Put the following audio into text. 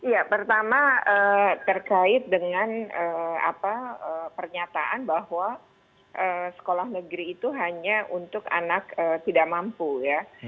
ya pertama terkait dengan pernyataan bahwa sekolah negeri itu hanya untuk anak tidak mampu ya